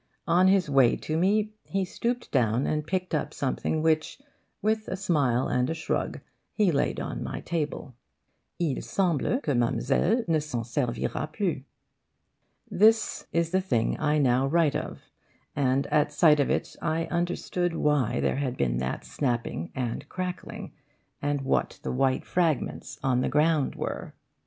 On his way to me he stooped down and picked up something which, with a smile and a shrug, he laid on my table: 'Il semble que Mademoiselle ne s'en servira plus.' This is the thing I now write of, and at sight of it I understood why there had been that snapping and crackling, and what the white fragments on the ground were.